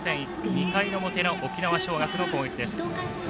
２回の表の沖縄尚学の攻撃です。